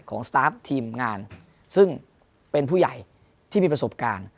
สตาร์ฟทีมงานซึ่งเป็นผู้ใหญ่ที่มีประสบการณ์